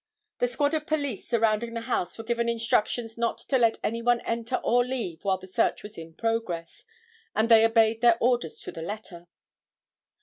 The squad of police surrounding the house were given instructions not to let any one enter or leave while the search was in progress, and they obeyed their orders to the letter.